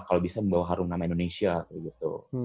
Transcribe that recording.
kalau bisa membawa harung nama indonesia gitu